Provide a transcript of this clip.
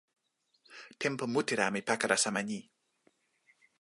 tenpo mute la mi pakala sama ni.